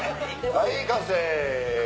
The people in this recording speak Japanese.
はい完成。